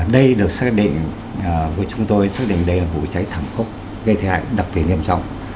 đây được xác định với chúng tôi xác định đây là vụ cháy thẳng cốc gây thể hại đặc biệt nghiêm trọng